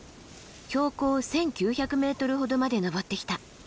標高１，９００ｍほどまで登ってきた。